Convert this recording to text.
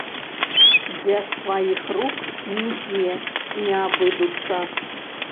Без тваіх рук нідзе не абыдуцца.